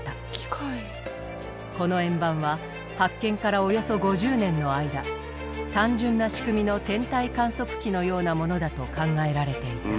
この円盤は発見からおよそ５０年の間単純な仕組みの天体観測機のようなものだと考えられていた。